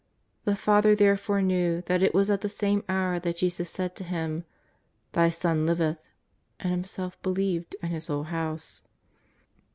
'' The father there fore knew that it was at the same hour that Jesus said to him :" Thy son liveth," and himself believed and his whole house.